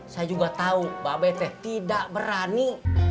saya juga tau mbak bethe tidak berani